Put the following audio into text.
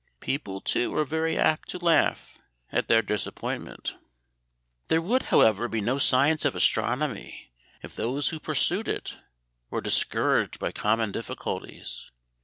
People, too, are very apt to laugh at their disappointment. "There would, however, be no science of astronomy if those who pursued it were discouraged by common difficulties.